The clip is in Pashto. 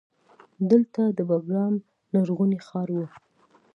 دلته د بیګرام لرغونی ښار و